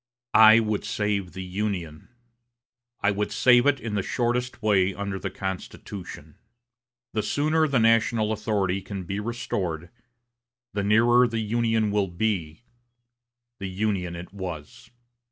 "I would save the Union. I would save it the shortest way under the Constitution. The sooner the national authority can be restored, the nearer the Union will be 'the Union as it was.'